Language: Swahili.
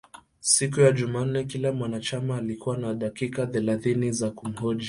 Siku ya jumanne kila mwanachama alikuwa na dakika thelathini za kumhoji